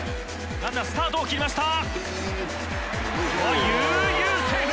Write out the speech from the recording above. ランナースタートを切りました。